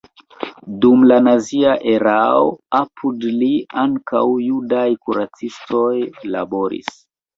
Dum la nazia erao apud li ankaŭ judaj kuracistoj laboris.